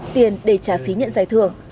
tiền để trả phí nhận dài